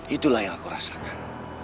itulah yang aku rasakan